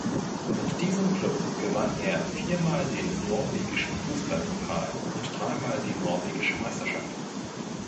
Mit diesem Klub gewann er viermal den norwegischen Fußballpokal und dreimal die norwegische Meisterschaft.